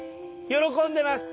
喜んでます。